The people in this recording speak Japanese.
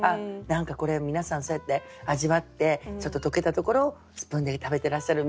何かこれ皆さんそうやって味わってちょっと溶けたところをスプーンで食べてらっしゃる